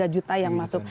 tiga juta yang masuk